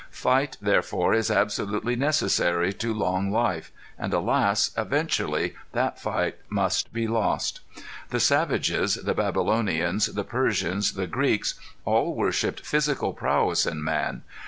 Fight therefore is absolutely necessary to long life, and Alas! eventually that fight must be lost. The savages, the Babylonians, the Persians, the Greeks all worshipped physical prowess in man.